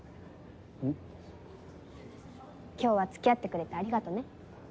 ん？今日は付き合ってくれてありがとね。